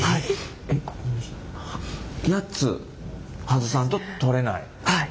８つ外さんと取れない。